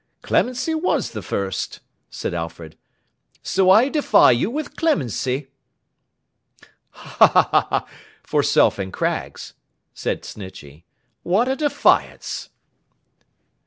Clemency was the first,' said Alfred. 'So I defy you with Clemency.' 'Ha, ha, ha,—for Self and Craggs,' said Snitchey. 'What a defiance!